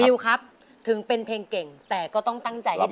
ครับถึงเป็นเพลงเก่งแต่ก็ต้องตั้งใจให้ดี